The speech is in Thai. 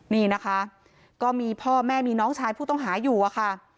นี่นะคะก็มีพ่อแม่มีน้องชายผู้ต้องหาอยู่อะค่ะ